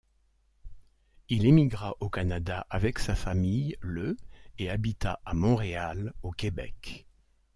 Il émigra au Canada avec sa famille le et habita à Montréal au Québec.